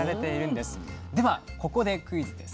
ではここでクイズです。